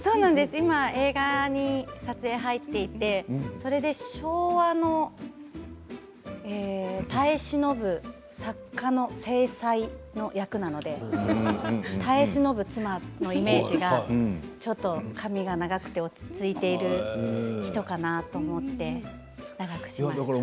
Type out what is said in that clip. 今映画の撮影が入っていてそれで、昭和の耐え忍ぶ作家の正妻の役なので耐え忍ぶ妻のイメージがちょっと髪が、長くて落ち着いている人かなと思って長くしました。